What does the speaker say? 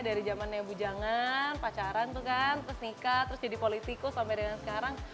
dari zamannya bu jangan pacaran tuh kan terus nikah terus jadi politikus sampai dengan sekarang